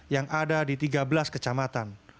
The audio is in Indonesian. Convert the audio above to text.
yang ada di tiga belas kecamatan